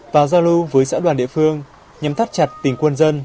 và giao lưu với xã đoàn địa phương nhằm thắt chặt tình quân dân